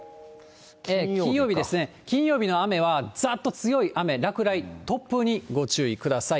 金曜日ですね、金曜日の雨はざーっと強い雨、落雷、突風にご注意ください。